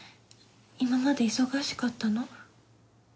今まで忙しかったの？